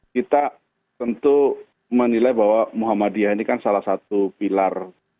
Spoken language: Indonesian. kita tentu menilai bahwa muhammadiyah ini kan salah satu pilar